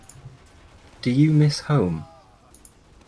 Do you miss home?